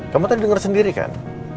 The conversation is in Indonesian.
kamu tadi dengar sendiri kan